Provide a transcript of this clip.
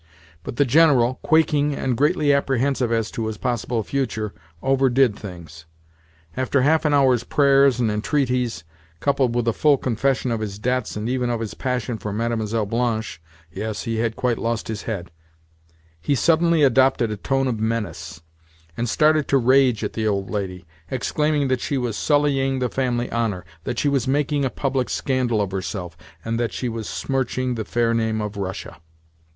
But the General, quaking and greatly apprehensive as to his possible future, overdid things. After half an hour's prayers and entreaties, coupled with a full confession of his debts, and even of his passion for Mlle. Blanche (yes, he had quite lost his head), he suddenly adopted a tone of menace, and started to rage at the old lady—exclaiming that she was sullying the family honour, that she was making a public scandal of herself, and that she was smirching the fair name of Russia.